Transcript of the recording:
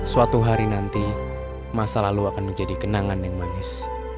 suatu hari nanti masa lalu akan menjadi kenangan yang manis